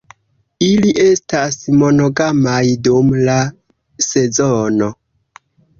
Ili estas monogamaj dum la sezono.